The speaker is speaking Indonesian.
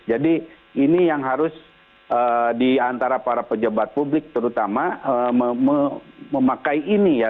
jadi ini yang harus diantara para pejabat publik terutama memakai ini ya